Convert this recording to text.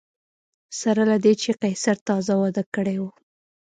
سره له دې چې قیصر تازه واده کړی و